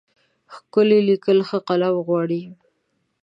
ښکلي لیکل ښه قلم غواړي.